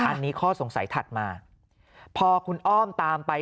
อันนี้ข้อสงสัยถัดมา